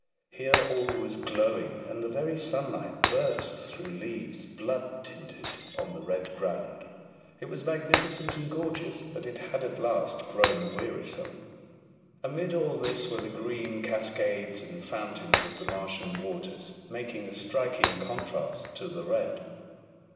Here all was glowing, and the very sunlight burst through leaves blood tinted on the red ground. It was magnificent and gorgeous, but it had at last grown wearisome. Amid all this were the green cascades and fountains of the Martian waters, making a striking contrast to the red.